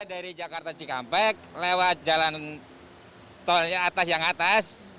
dari jakarta cikampek lewat jalan tol yang atas atas